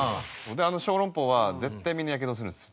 あの小籠包は絶対みんなやけどするんです。